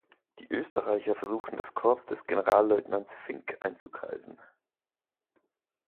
Die Österreicher versuchten das Korps des Generalleutnants Finck einzukreisen.